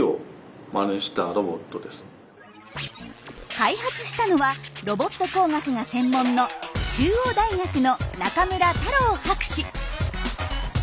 開発したのはロボット工学が専門の中央大学の中村太郎博士。